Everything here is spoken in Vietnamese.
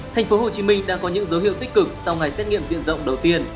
tp hcm đang có những dấu hiệu tích cực sau ngày xét nghiệm diện rộng đầu tiên